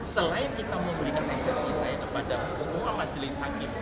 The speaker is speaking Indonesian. selain kita memberikan eksepsi saya kepada semua majelis hakim